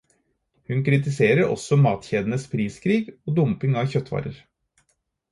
Hun kritiserer også matkjedenes priskrig og dumping av kjøttvarer.